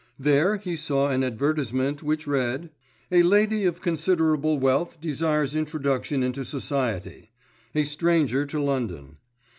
There he saw an advertisement, which read:— "A lady of considerable wealth desires introduction into Society. A stranger to London.